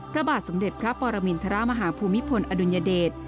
พระบาทสมเด็จพระปรมินทรมาฮภูมิพลอดุลยเดช